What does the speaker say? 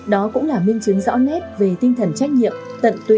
đó cũng là minh chứng rõ nét về tinh thần trách nhiệm tận tụy